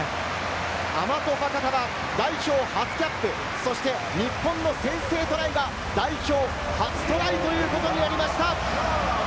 アマト・ファカタヴァ、代表初キャップ、そして日本の先制トライが代表初トライということになりました。